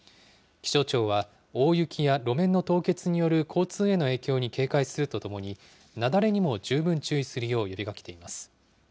気象庁は、大雪や路面の凍結による交通への影響に警戒するとともに、雪崩にも十分注意するよう呼びかけています。